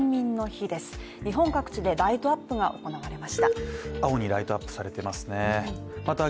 日本各地でライトアップが行われました。